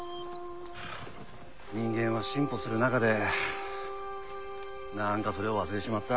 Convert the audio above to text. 人間は進歩する中で何かそれを忘れちまった。